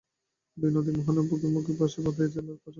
দুই নদীর মোহানার মুখে বাঁশ বাঁধিয়া জেলেরা প্রকাণ্ড জাল পাতিয়াছে।